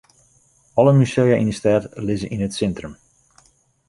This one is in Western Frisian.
Alle musea yn 'e stêd lizze yn it sintrum.